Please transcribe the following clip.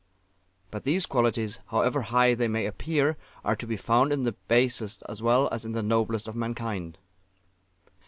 But these qualities, however high they may appear, are to be found in the basest as well as in the noblest of mankind.